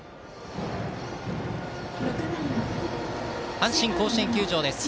阪神甲子園球場です。